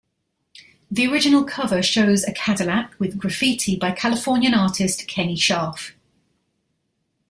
The original cover shows a Cadillac with graffiti by Californian artist Kenny Scharf.